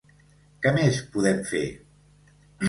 Què més podem fer?